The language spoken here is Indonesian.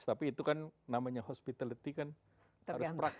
tapi itu kan namanya hospitality kan harus praktek